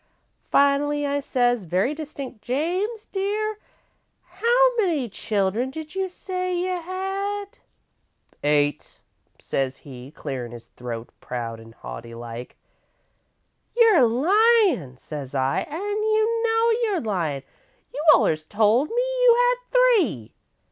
Finally, I says, very distinct: 'James, dear, how many children did you say you had?' "'Eight,' says he, clearin' his throat proud and haughty like. "'You're lyin',' says I, 'an' you know you're lyin'. You allers told me you had three.'